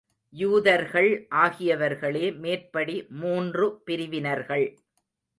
யூதர்கள் ஆகியவர்களே மேற்படி மூன்று பிரிவினர்கள்.